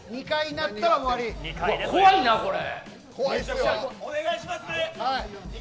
怖いなこれ。